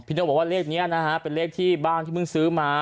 โน่บอกว่าเลขนี้นะฮะเป็นเลขที่บ้านที่เพิ่งซื้อมา